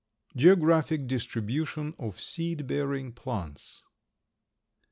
GEOGRAPHIC DISTRIBUTION OF SEED BEARING PLANTS.